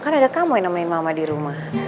kan ada kamu yang namanya mama di rumah